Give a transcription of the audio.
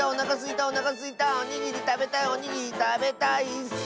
おにぎりたべたいおにぎりたべたいッス！